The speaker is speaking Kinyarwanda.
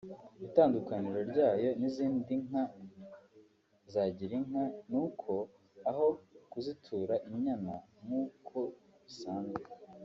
Itandukaniro ryayo n’izindi nka za “Girinka” ni uko aho kuzitura inyana nk’uko bisanzwe